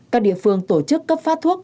các địa phương tổ chức cấp phát thuốc